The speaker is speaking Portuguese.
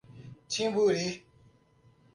Timburi